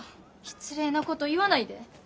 失礼なこと言わないで。